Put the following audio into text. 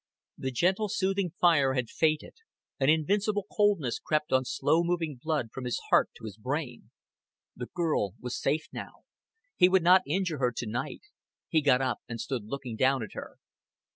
The gentle soothing fire had faded an invincible coldness crept on slow moving blood from his heart to his brain. The girl was safe now. He would not injure her to night. He got up, and stood looking down at her.